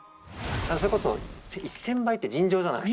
それこそ１，０００倍尋常じゃない。